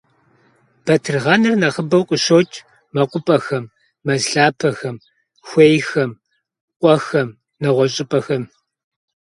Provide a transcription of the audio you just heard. Батыргъэныр нэхъыбэу къыщокӏ мэкъупӏэхэм, мэз лъапэхэм, хуейхэм, къуэхэм, нэгъуэщӏ щӏыпӏэхэм.